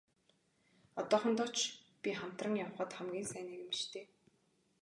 Одоохондоо ч би хамтран явахад хамгийн сайн нэгэн биш дээ.